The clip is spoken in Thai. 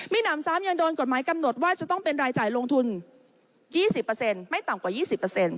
มีหนำซ้ำยังโดนกฎหมายกำหนดว่าจะต้องเป็นรายจ่ายลงทุน๒๐ไม่ต่ำกว่า๒๐